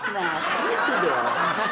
nah gitu dong